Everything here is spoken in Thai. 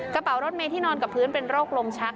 กระเป๋ารถเมย์ที่นอนกับพื้นเป็นโรคลมชัก